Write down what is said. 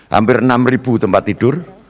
hampir enam tempat tidur